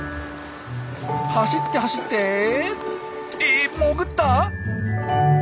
走って走ってえ潜った！？